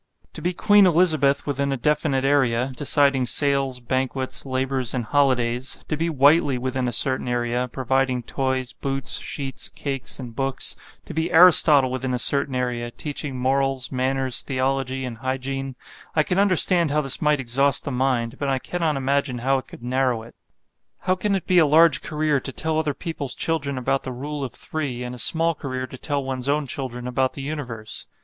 To be Queen Elizabeth within a definite area, deciding sales, banquets, labors and holidays; to be Whiteley within a certain area, providing toys, boots, sheets, cakes and books, to be Aristotle within a certain area, teaching morals, manners, theology, and hygiene; I can understand how this might exhaust the mind, but I cannot imagine how it could narrow it. How can it be a large career to tell other people's children about the Rule of Three, and a small career to tell one's own children about the universe?